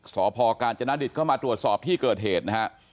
สพกาญจนดิตเข้ามาตรวจสอบที่เกิดเหตุนะฮะ